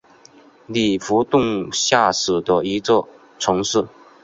里弗顿下属的一座城市。